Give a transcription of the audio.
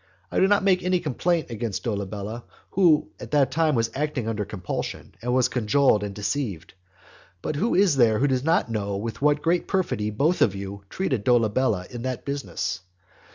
I do not make any complaint against Dolabella, who was at that time acting under compulsion, and was cajoled and deceived. But who is there who does not know with what great perfidy both of you treated Dolabella in that business?